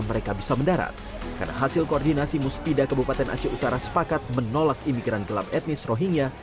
mereka bisa mendarat karena hasil koordinasi muspida kebupaten aceh utara sepakat menolak imigran gelap etnis rohingya